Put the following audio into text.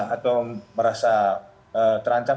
atau merasa terancam